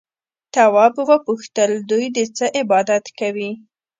تواب وپوښتل دوی د څه عبادت کوي؟